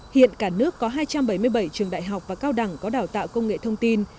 hiện cả nước có hai trăm bảy mươi bảy trường đại học và cao đẳng có đào tạo công nghệ thông tin